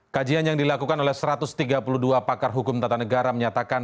kajian yang dilakukan oleh satu ratus tiga puluh dua pakar hukum tata negara menyatakan